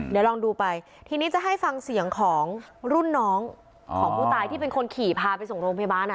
เดี๋ยวลองดูไปทีนี้จะให้ฟังเสียงของรุ่นน้องของผู้ตายที่เป็นคนขี่พาไปส่งโรงพยาบาล